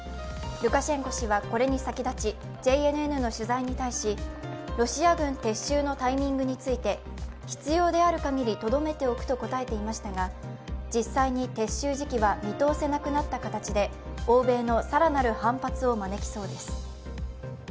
ルカシェンコ氏はこれに先立ち、ＪＮＮの取材に対しロシア軍撤収のタイミングについて、必要であるかぎりとどめておくと答えていましたが実際に撤収時期は見通せなくなった形で欧米の更なる反発を招きそうです。